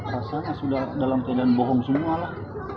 rasanya sudah dalam keadaan bohong semua lah